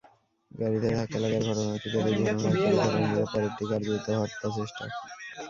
গাড়িতে ধাক্কা লাগার ঘটনাটিকে দুর্ঘটনা হিসেবে ধরে নিলে পরেরটি কার্যত হত্যাচেষ্টা।